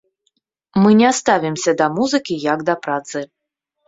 Мы не ставімся да музыкі як да працы.